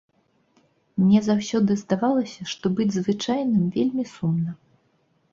Мне заўсёды здавалася, што быць звычайным вельмі сумна.